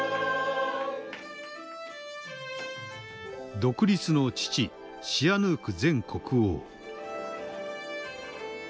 独立の父シアヌーク前国王。